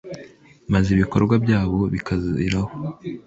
maze ibikorwa byayo bikaziraho